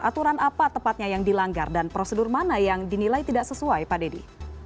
aturan apa tepatnya yang dilanggar dan prosedur mana yang dinilai tidak sesuai pak dedy